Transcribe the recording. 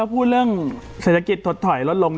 พูดเรื่องเศรษฐกิจถดถอยลดลง